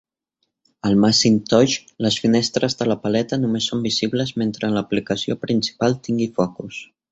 Al Macintosh, les finestres de la paleta només són visibles mentre l'aplicació principal tingui focus.